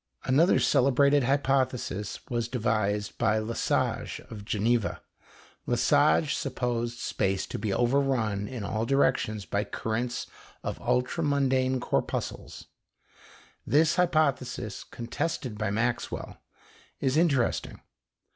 Another celebrated hypothesis was devised by Lesage, of Geneva. Lesage supposed space to be overrun in all directions by currents of ultramundane corpuscles. This hypothesis, contested by Maxwell, is interesting.